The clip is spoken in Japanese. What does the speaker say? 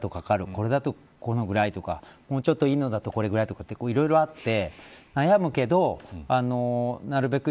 これだとこのぐらいとかもうちょっといいのだとこれくらいとかいろいろあって悩むけどなるべく